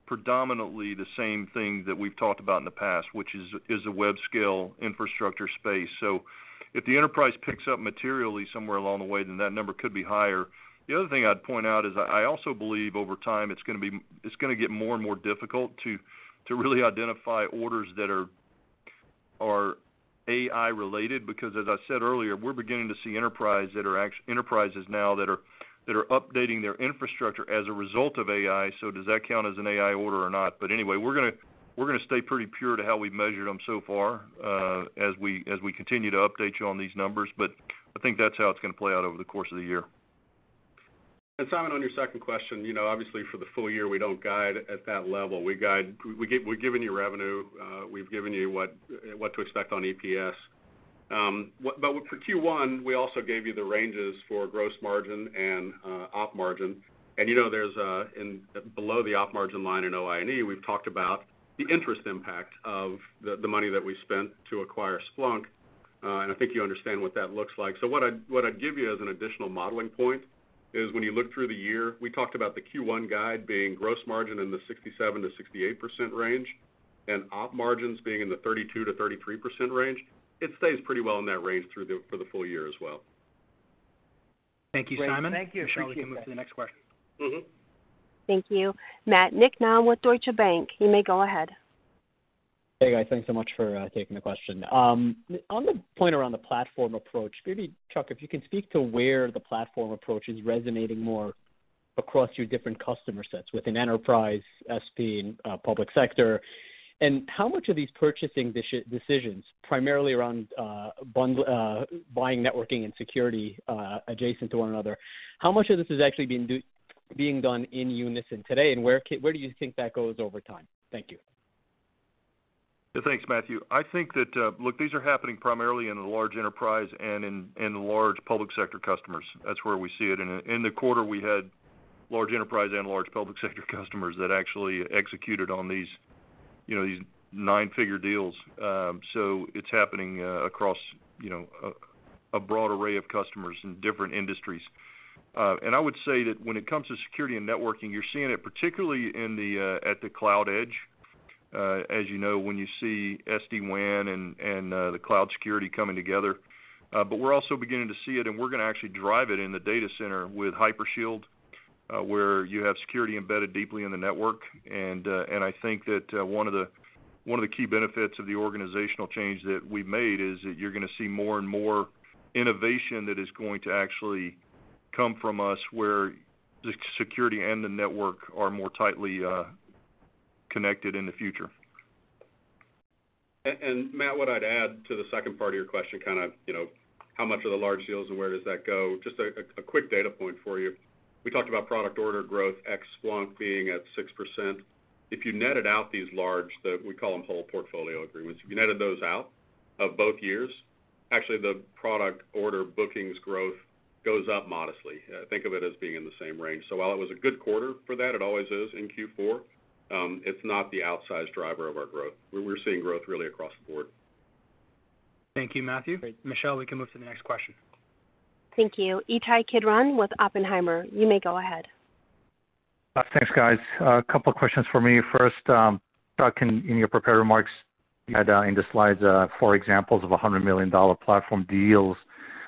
predominantly the same thing that we've talked about in the past, which is a web-scale infrastructure space. So if the enterprise picks up materially somewhere along the way, then that number could be higher. The other thing I'd point out is I also believe over time, it's gonna get more and more difficult to really identify orders that are AI related, because as I said earlier, we're beginning to see enterprises now that are updating their infrastructure as a result of AI. So does that count as an AI order or not? But anyway, we're gonna stay pretty pure to how we've measured them so far, as we continue to update you on these numbers. But I think that's how it's gonna play out over the course of the year. Simon, on your second question, you know, obviously for the full year, we don't guide at that level. We've given you revenue, we've given you what to expect on EPS. But for Q1, we also gave you the ranges for gross margin and op margin. You know, there's below the op margin line in OI&E, we've talked about the interest impact of the money that we spent to acquire Splunk, and I think you understand what that looks like. So what I'd give you as an additional modeling point is when you look through the year, we talked about the Q1 guide being gross margin in the 67%-68% range, and op margins being in the 32%-33% range. It stays pretty well in that range for the full year as well. Thank you, Simon. Thank you. Michelle, you can move to the next question. Mm-hmm. Thank you. Matt Niknam with Deutsche Bank, you may go ahead. Hey, guys. Thanks so much for taking the question. On the point around the platform approach, maybe Chuck, if you can speak to where the platform approach is resonating more across your different customer sets within Enterprise, SP, and Public Sector. And how much of these purchasing decisions, primarily around bundle buying networking and security adjacent to one another, how much of this is actually being done in unison today, and where do you think that goes over time? Thank you. Thanks, Matthew. I think that, look, these are happening primarily in the large Enterprise and in the large Public Sector customers. That's where we see it. And in the quarter, we had large Enterprise and large Public Sector customers that actually executed on these, you know, these nine-figure deals. So it's happening across, you know, a broad array of customers in different industries. And I would say that when it comes to security and networking, you're seeing it particularly at the cloud edge, as you know, when you see SD-WAN and the cloud security coming together. But we're also beginning to see it, and we're gonna actually drive it in the data center with Hypershield, where you have security embedded deeply in the network. I think that one of the key benefits of the organizational change that we've made is that you're gonna see more and more innovation that is going to actually come from us, where the security and the network are more tightly connected in the future. And Matt, what I'd add to the second part of your question, kind of, you know, how much are the large deals and where does that go? Just a quick data point for you. We talked about product order growth ex-Splunk being at 6%. If you netted out these large, the, we call them whole portfolio agreements, if you netted those out of both years, actually, the product order bookings growth goes up modestly. Think of it as being in the same range. So while it was a good quarter for that, it always is in Q4, it's not the outsized driver of our growth. We're, we're seeing growth really across the board. Thank you, Matthew. Great, Michelle, we can move to the next question. Thank you. Ittai Kidron with Oppenheimer, you may go ahead. Thanks, guys. A couple of questions for me. First, Chuck, in your prepared remarks, you had in the slides four examples of $100 million platform deals,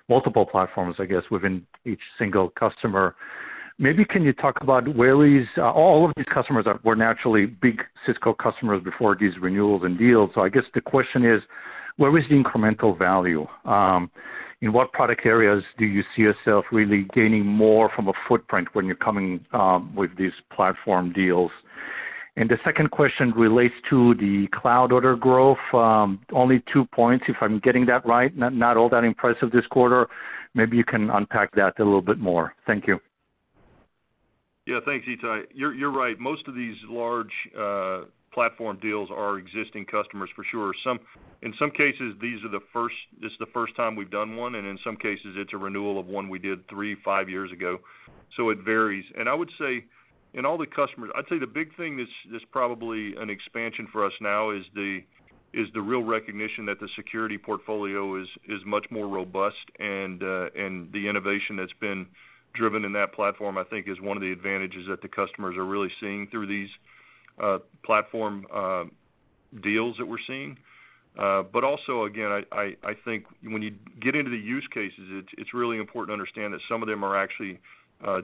multiple platforms, I guess, within each single customer. Maybe can you talk about where these... All of these customers are, were naturally big Cisco customers before these renewals and deals. So I guess the question is: where is the incremental value? In what product areas do you see yourself really gaining more from a footprint when you're coming with these platform deals? And the second question relates to the cloud order growth, only two points, if I'm getting that right, not all that impressive this quarter. Maybe you can unpack that a little bit more. Thank you. Yeah, thanks, Ittai. You're, you're right. Most of these large platform deals are existing customers, for sure. Some—in some cases, these are the first, this is the first time we've done one, and in some cases, it's a renewal of one we did 3, 5 years ago. So it varies. And I would say, in all the customers, I'd say the big thing that's, that's probably an expansion for us now is the, is the real recognition that the security portfolio is, is much more robust, and the innovation that's been driven in that platform, I think, is one of the advantages that the customers are really seeing through these platform deals that we're seeing. But also, again, I think when you get into the use cases, it's really important to understand that some of them are actually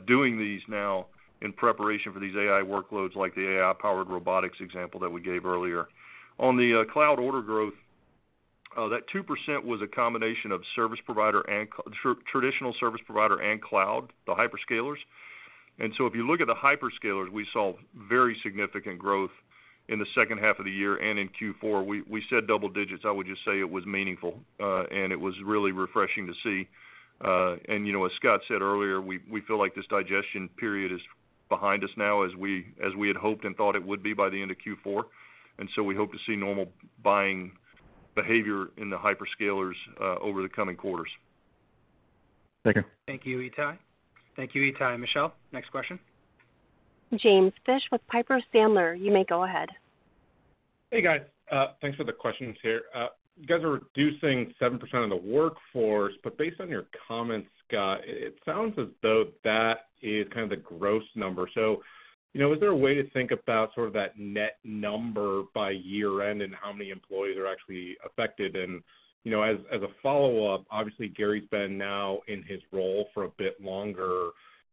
doing these now in preparation for these AI workloads, like the AI-powered robotics example that we gave earlier. On the cloud order growth, that 2% was a combination of service provider and traditional service provider and cloud, the hyperscalers. And so if you look at the hyperscalers, we saw very significant growth in the second half of the year, and in Q4. We said double digits, I would just say it was meaningful, and it was really refreshing to see. And, you know, as Scott said earlier, we feel like this digestion period is behind us now, as we had hoped and thought it would be by the end of Q4. And so we hope to see normal buying behavior in the hyperscalers over the coming quarters. Thank you. Thank you, Ittai. Thank you, Ittai. Michelle, next question. James Fish with Piper Sandler, you may go ahead. Hey, guys. Thanks for the questions here. You guys are reducing 7% of the workforce, but based on your comments, Scott, it sounds as though that is kind of the gross number. So, you know, is there a way to think about sort of that net number by year-end, and how many employees are actually affected? And, you know, as a follow-up, obviously, Gary's been now in his role for a bit longer,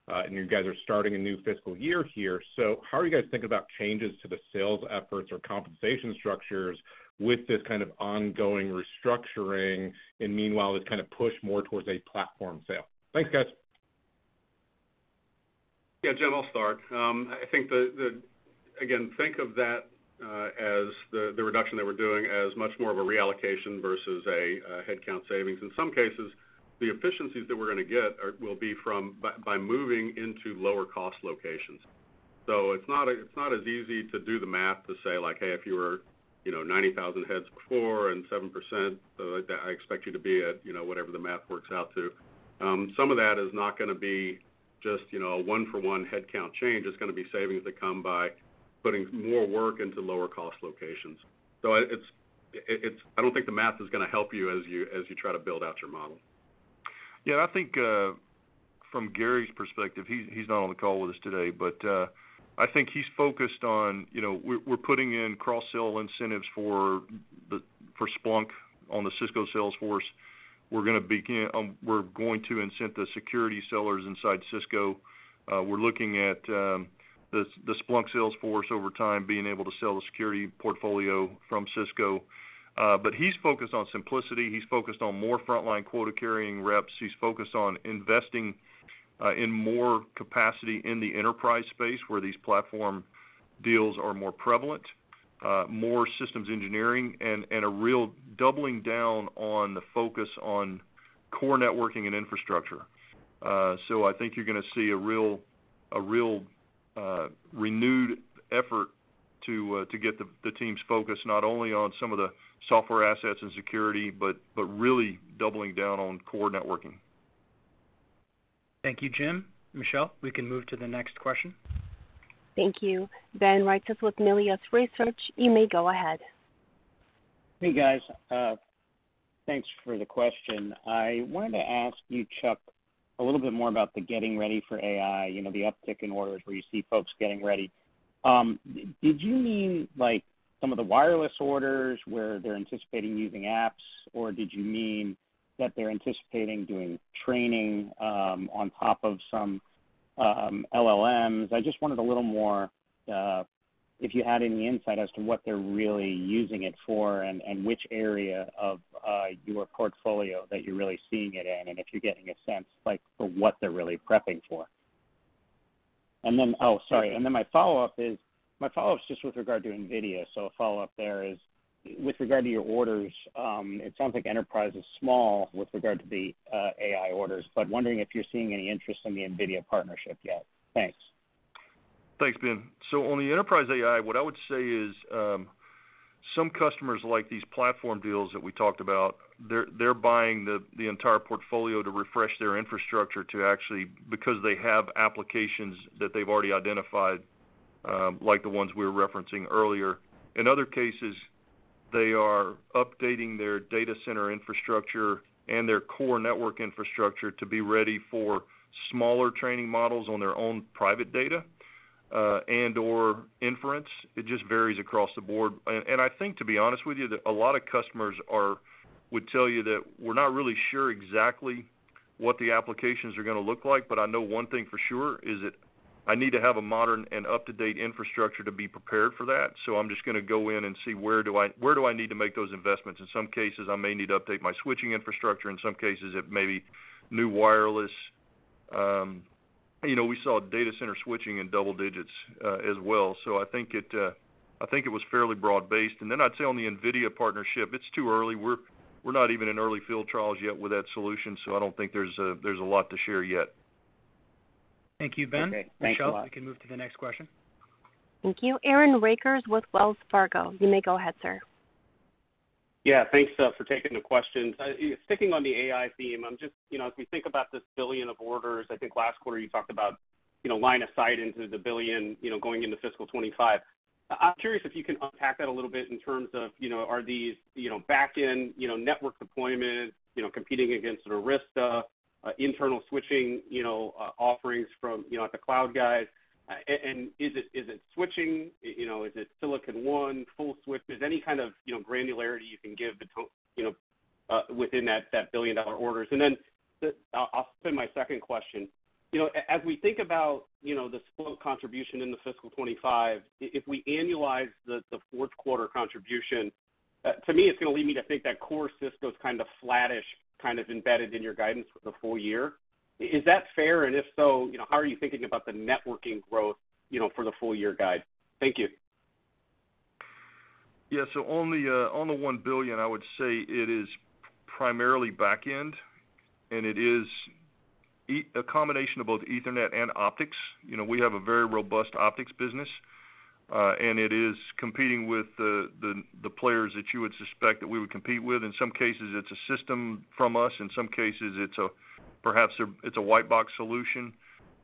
and you guys are starting a new fiscal year here. So how are you guys thinking about changes to the sales efforts or compensation structures with this kind of ongoing restructuring, and meanwhile, this kind of push more towards a platform sale? Thanks, guys. Yeah, Jim, I'll start. I think the – again, think of that as the reduction that we're doing as much more of a reallocation versus a headcount savings. In some cases, the efficiencies that we're gonna get will be from moving into lower cost locations. So it's not as easy to do the math to say, like, "Hey, if you were, you know, 90,000 heads before and 7%, I expect you to be at, you know, whatever the math works out to." Some of that is not gonna be just, you know, a one-for-one headcount change, it's gonna be savings that come by putting more work into lower cost locations. So it's – I don't think the math is gonna help you as you try to build out your model. Yeah, I think, from Gary's perspective, he, he's not on the call with us today, but, I think he's focused on, you know, we're putting in cross-sell incentives for the, for Splunk on the Cisco sales force. We're gonna begin, we're going to incent the security sellers inside Cisco. We're looking at, the Splunk sales force over time being able to sell the security portfolio from Cisco. But he's focused on simplicity. He's focused on more frontline quota-carrying reps. He's focused on investing, in more capacity in the enterprise space, where these platform deals are more prevalent, more systems engineering, and a real doubling down on the focus on core networking and infrastructure. So I think you're gonna see a real renewed effort to get the team's focus, not only on some of the software assets and security, but really doubling down on core networking. Thank you, Jim. Michelle, we can move to the next question. Thank you. Ben Reitzes with Melius Research, you may go ahead. Hey, guys. Thanks for the question. I wanted to ask you, Chuck, a little bit more about the getting ready for AI, you know, the uptick in orders where you see folks getting ready. Did you mean, like, some of the wireless orders, where they're anticipating using apps, or did you mean that they're anticipating doing training on top of some LLMs? I just wanted a little more if you had any insight as to what they're really using it for and which area of your portfolio that you're really seeing it in, and if you're getting a sense, like, for what they're really prepping for. And then... Oh, sorry. And then my follow-up is, my follow-up is just with regard to NVIDIA. So a follow-up there is, with regard to your orders, it sounds like enterprise is small with regard to the AI orders, but wondering if you're seeing any interest in the NVIDIA partnership yet. Thanks. Thanks, Ben. So on the enterprise AI, what I would say is, some customers like these platform deals that we talked about, they're buying the entire portfolio to refresh their infrastructure to actually, because they have applications that they've already identified, like the ones we were referencing earlier. In other cases, they are updating their data center infrastructure and their core network infrastructure to be ready for smaller training models on their own private data, and/or inference. It just varies across the board. I think, to be honest with you, that a lot of customers would tell you that we're not really sure exactly what the applications are gonna look like, but I know one thing for sure, is that I need to have a modern and up-to-date infrastructure to be prepared for that. So I'm just gonna go in and see where do I need to make those investments? In some cases, I may need to update my switching infrastructure. In some cases, it may be new wireless. You know, we saw data center switching in double digits, as well. So I think it was fairly broad-based. And then I'd say on the NVIDIA partnership, it's too early. We're not even in early field trials yet with that solution, so I don't think there's a lot to share yet. Thank you, Ben. Okay, thanks a lot. Michelle, we can move to the next question. Thank you. Aaron Rakers with Wells Fargo. You may go ahead, sir. Yeah, thanks for taking the questions. Sticking on the AI theme, I'm just, you know, as we think about this $1 billion of orders, I think last quarter you talked about, you know, line of sight into the $1 billion, you know, going into fiscal 2025. I'm curious if you can unpack that a little bit in terms of, you know, are these, you know, back-end, you know, network deployments, you know, competing against Arista, internal switching, you know, offerings from, you know, like the cloud guys? And is it, is it switching? You know, is it Silicon One, full switch? Is there any kind of, you know, granularity you can give the to, you know-... within that $1 billion orders. And then I'll spend my second question. You know, as we think about, you know, the Splunk contribution in the fiscal 2025, if we annualize the fourth quarter contribution, to me, it's gonna lead me to think that core Cisco's kind of flattish, kind of embedded in your guidance for the full year. Is that fair? And if so, you know, how are you thinking about the networking growth, you know, for the full year guide? Thank you. Yeah, so on the $1 billion, I would say it is primarily back end, and it is a combination of both Ethernet and optics. You know, we have a very robust optics business, and it is competing with the players that you would suspect that we would compete with. In some cases, it's a system from us. In some cases, it's a, perhaps a, it's a white box solution.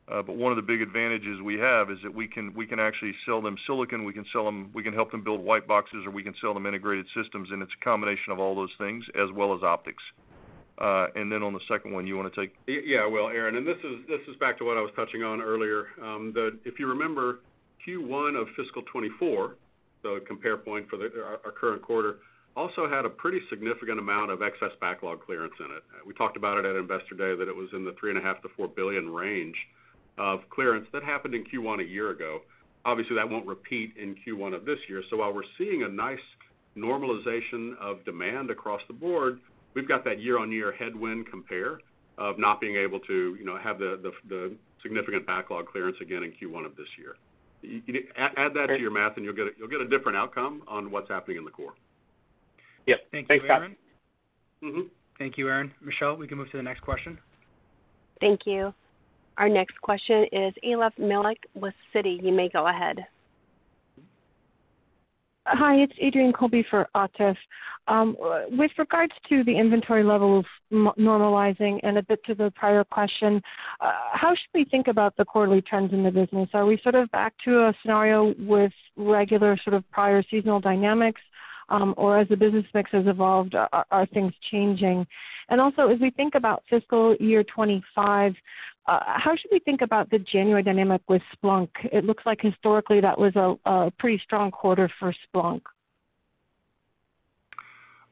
But one of the big advantages we have is that we can actually sell them silicon, we can help them build white boxes, or we can sell them integrated systems, and it's a combination of all those things as well as optics. And then on the second one, you wanna take- Yeah, I will, Aaron, and this is back to what I was touching on earlier. If you remember, Q1 of fiscal 2024, the compare point for our current quarter, also had a pretty significant amount of excess backlog clearance in it. We talked about it at Investor Day, that it was in the $3.5 billion-$4 billion range of clearance. That happened in Q1 a year ago. Obviously, that won't repeat in Q1 of this year. So while we're seeing a nice normalization of demand across the board, we've got that year-on-year headwind compare of not being able to, you know, have the significant backlog clearance again in Q1 of this year. You add that to your math, and you'll get a different outcome on what's happening in the core. Yep. Thanks, guys. Thank you, Aaron. Mm-hmm. Thank you, Aaron. Michelle, we can move to the next question. Thank you. Our next question is Atif Malik with Citi. You may go ahead. Hi, it's Adrienne Colby for Atif. With regards to the inventory level of normalizing, and a bit to the prior question, how should we think about the quarterly trends in the business? Are we sort of back to a scenario with regular sort of prior seasonal dynamics, or as the business mix has evolved, are things changing? And also, as we think about fiscal year 2025, how should we think about the January dynamic with Splunk? It looks like historically that was a pretty strong quarter for Splunk.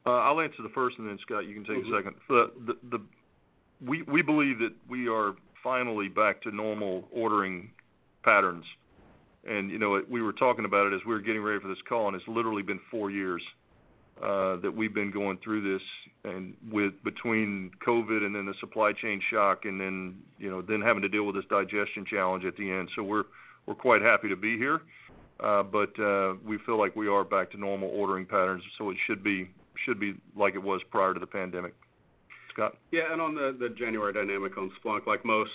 I'll answer the first, and then Scott, you can take a second. Mm-hmm. We believe that we are finally back to normal ordering patterns. And, you know, we were talking about it as we were getting ready for this call, and it's literally been four years that we've been going through this, and with between COVID and then the supply chain shock and then, you know, then having to deal with this digestion challenge at the end. So we're quite happy to be here, but we feel like we are back to normal ordering patterns, so it should be like it was prior to the pandemic. Scott? Yeah, and on the January dynamic on Splunk, like most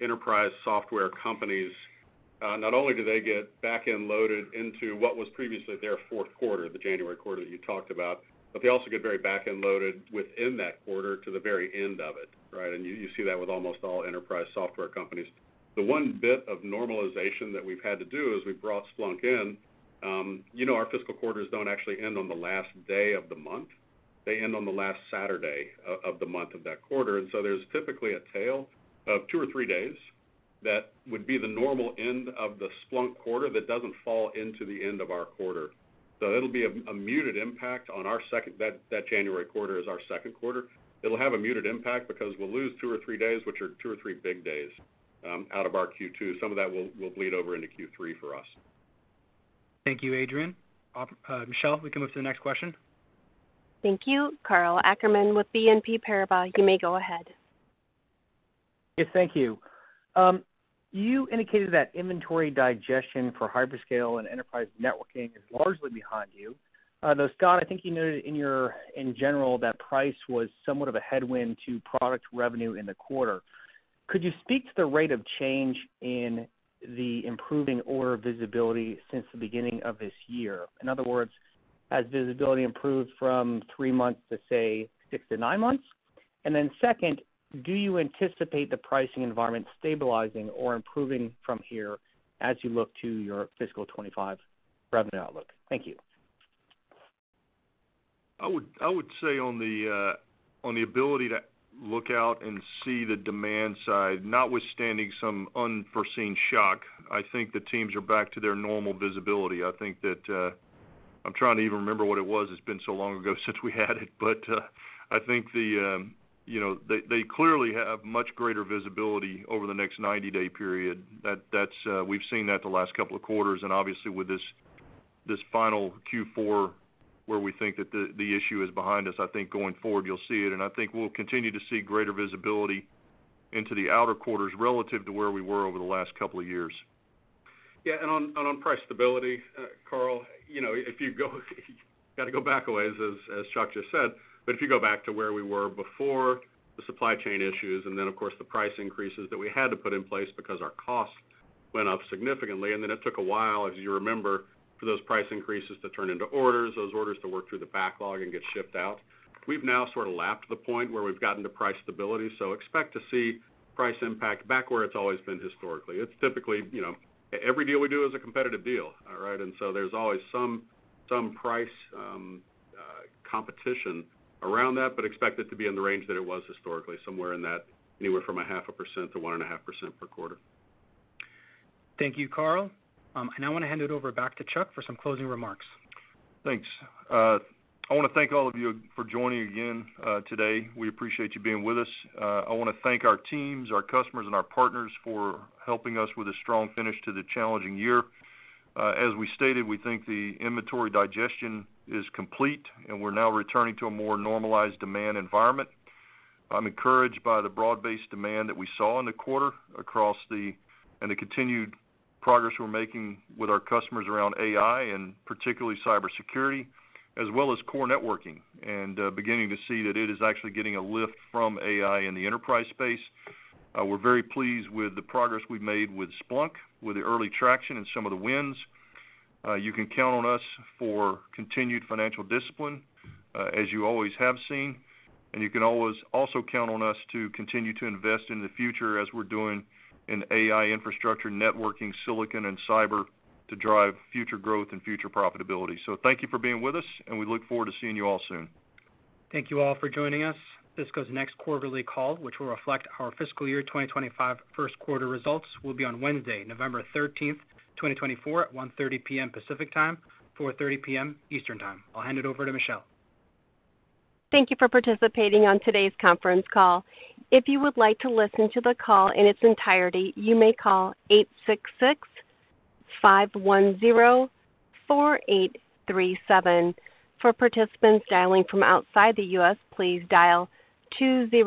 enterprise software companies, not only do they get back end loaded into what was previously their fourth quarter, the January quarter you talked about, but they also get very back end loaded within that quarter to the very end of it, right? And you see that with almost all enterprise software companies. The one bit of normalization that we've had to do is we've brought Splunk in. You know, our fiscal quarters don't actually end on the last day of the month. They end on the last Saturday of the month of that quarter, and so there's typically a tail of two or three days that would be the normal end of the Splunk quarter that doesn't fall into the end of our quarter. So it'll be a muted impact on our second... That, that January quarter is our second quarter. It'll have a muted impact because we'll lose two or three days, which are two or three big days, out of our Q2. Some of that will, will bleed over into Q3 for us. Thank you, Adrienne. Michelle, we can move to the next question. Thank you. Karl Ackerman with BNP Paribas, you may go ahead. Yes, thank you. You indicated that inventory digestion for hyperscale and enterprise networking is largely behind you. Though, Scott, I think you noted in your, in general, that price was somewhat of a headwind to product revenue in the quarter. Could you speak to the rate of change in the improving order visibility since the beginning of this year? In other words, has visibility improved from three months to, say, six to nine months? And then second, do you anticipate the pricing environment stabilizing or improving from here as you look to your fiscal 2025 revenue outlook? Thank you. I would say on the ability to look out and see the demand side, notwithstanding some unforeseen shock, I think the teams are back to their normal visibility. I think that I'm trying to even remember what it was. It's been so long ago since we had it, but I think you know, they clearly have much greater visibility over the next 90-day period. That's we've seen that the last couple of quarters, and obviously, with this final Q4, where we think that the issue is behind us. I think going forward, you'll see it, and I think we'll continue to see greater visibility into the outer quarters relative to where we were over the last couple of years. Yeah, and on price stability, Karl, you know, if you go, you gotta go back a ways, as Chuck just said, but if you go back to where we were before the supply chain issues and then, of course, the price increases that we had to put in place because our costs went up significantly, and then it took a while, as you remember, for those price increases to turn into orders, those orders to work through the backlog and get shipped out. We've now sort of lapped the point where we've gotten to price stability, so expect to see price impact back where it's always been historically. It's typically, you know, every deal we do is a competitive deal, all right? So there's always some price competition around that, but expect it to be in the range that it was historically, somewhere in that, anywhere from 0.5%-1.5% per quarter. Thank you, Karl. I now wanna hand it over back to Chuck for some closing remarks. Thanks. I wanna thank all of you for joining again, today. We appreciate you being with us. I wanna thank our teams, our customers, and our partners for helping us with a strong finish to the challenging year. As we stated, we think the inventory digestion is complete, and we're now returning to a more normalized demand environment. I'm encouraged by the broad-based demand that we saw in the quarter across the... and the continued progress we're making with our customers around AI and particularly cybersecurity, as well as core networking, and beginning to see that it is actually getting a lift from AI in the enterprise space. We're very pleased with the progress we've made with Splunk, with the early traction and some of the wins. You can count on us for continued financial discipline, as you always have seen, and you can always also count on us to continue to invest in the future as we're doing in AI infrastructure, networking, silicon, and cyber to drive future growth and future profitability. So thank you for being with us, and we look forward to seeing you all soon. Thank you all for joining us. Cisco's next quarterly call, which will reflect our fiscal year 2025 first quarter results, will be on Wednesday, November 13th, 2024, at 1:30 P.M. Pacific Time, 4:30 P.M. Eastern Time. I'll hand it over to Michelle. Thank you for participating on today's conference call. If you would like to listen to the call in its entirety, you may call 866-510-4837. For participants dialing from outside the U.S., please dial 20-